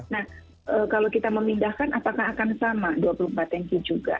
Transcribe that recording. nah kalau kita memindahkan apakah akan sama dua puluh empat tanki juga